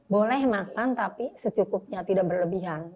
boleh makan tapi secukupnya tidak berlebihan